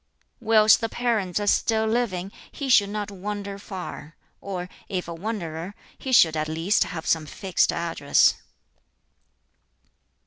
"Whilst the parents are still living, he should not wander far; or, if a wanderer, he should at least have some fixed address.